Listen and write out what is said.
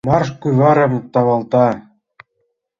Марш! — кӱварым тавалта.